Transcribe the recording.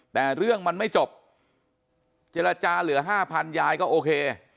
แต่เรื่องมันไม่จบเจรจาเหลือห้าพันยายก็โอเค